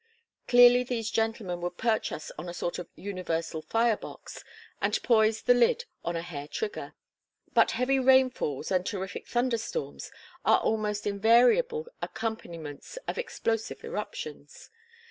Clearly these gentlemen would perch us on a sort of universal fire box, and poise the lid on a hair trigger. But heavy rainfalls and terrific thunder storms are almost invariable accompaniments of explosive eruptions.